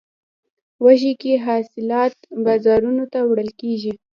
وږی کې حاصلات بازارونو ته وړل کیږي.